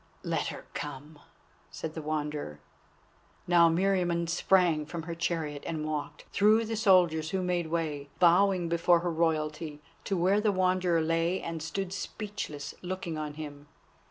"Let her come," said the Wanderer. Now Meriamun sprang from her chariot and walked, through the soldiers who made way, bowing before her royalty, to where the Wanderer lay, and stood speechless looking on him.